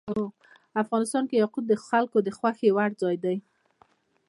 افغانستان کې یاقوت د خلکو د خوښې وړ ځای دی.